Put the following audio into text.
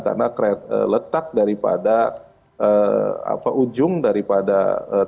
karena letak daripada ujung daripada terminal